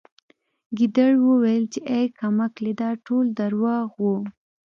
ګیدړ وویل چې اې کم عقلې دا ټول درواغ وو